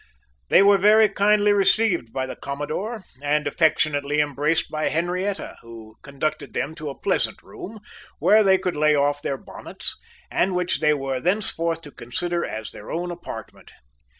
They were very kindly received by the commodore, and affectionately embraced by Henrietta, who conducted them to a pleasant room, where they could lay off their bonnets, and which they were thenceforth to consider as their own apartment.